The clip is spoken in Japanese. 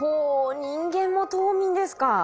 人間も冬眠ですか。